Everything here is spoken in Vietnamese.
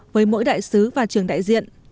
với mỗi đại sứ và trưởng đại diện